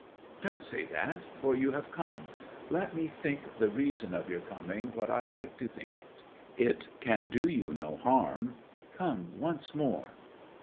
'Don't say that; for you have come let me think the reason of your coming what I like to think it. It can do you no harm. Come once more!'